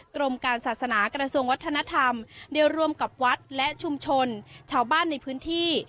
กรมการศาสนากระทรวงวัฒนธรรมได้ร่วมกับวัดและชุมชนชาวบ้านในพื้นที่